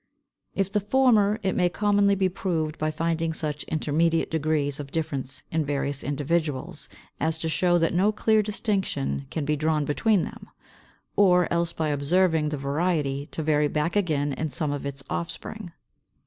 If the former, it may commonly be proved by finding such intermediate degrees of difference in various individuals as to show that no clear distinction can be drawn between them; or else by observing the variety to vary back again in some of its offspring.